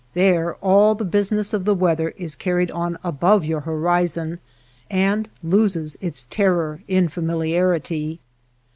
There all the business of the weather is carried on above your horizon and loses its terror in familiarity.